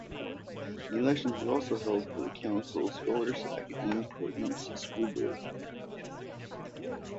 Elections were also held for the Conseil scolaire acadien provincial school board.